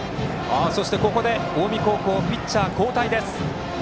ここで近江高校、ピッチャー交代です。